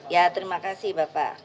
ya terima kasih bapak